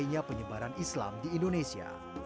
di dunia penyebaran islam di indonesia